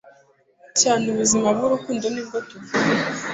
cyane ubuzima bw'urukundo nibwo tuvuga